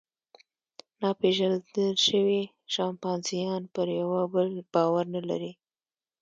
ناپېژندل شوي شامپانزیان پر یوه بل باور نهلري.